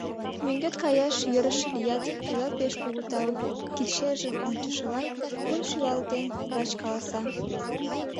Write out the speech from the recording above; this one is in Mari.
Мӧҥгет каяш йӧрышӧ лият, тудат пеш кугу тау, — кидшержым ончышыла, кугун шӱлалтен, врач каласа.